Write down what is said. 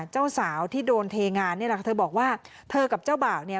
เจ้าสาวที่โดนเทงานนี่แหละค่ะเธอบอกว่าเธอกับเจ้าบ่าวเนี่ย